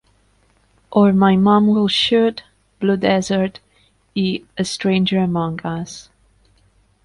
Or My Mom Will Shoot", "Blue Desert" i "A Stranger Among Us".